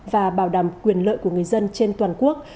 và bảo đảm quyền lợi của người dân trên toàn quốc